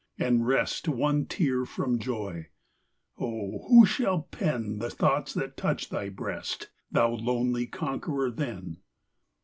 And wrest one tear from joy ! Oh ! who shall pen The thoughts that toucht thy breast, thou lonely conqueror, then